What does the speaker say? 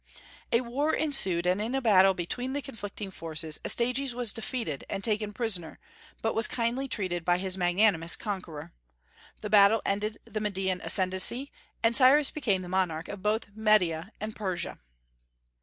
A war ensued, and in a battle between the conflicting forces Astyages was defeated and taken prisoner, but was kindly treated by his magnanimous conqueror. This battle ended the Median ascendency, and Cyrus became the monarch of both Media and Persia.